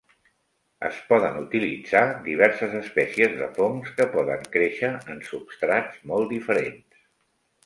Es poden utilitzar diverses espècies de fongs que poden créixer en substrats molt diferents.